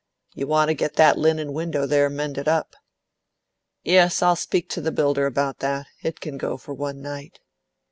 "You want to get that linen window, there, mended up." "Yes, I'll speak to the builder about that. It can go for one night."